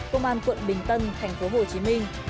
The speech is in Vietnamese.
công an quận bình tân thành phố hồ chí minh